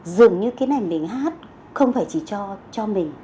dường như cái này mình hát không phải chỉ cho mình